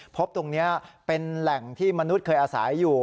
พบตรงนี้เป็นแหล่งที่มนุษย์เคยอาศัยอยู่